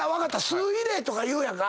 酢入れとか言うやんか？